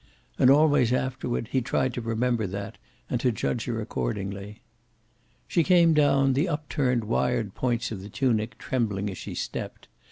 And always afterward he tried to remember that, and to judge her accordingly. She came down, the upturned wired points of the tunic trembling as she stepped.